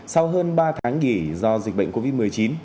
sau hơn ba tháng nghỉ do dịch bệnh covid một mươi chín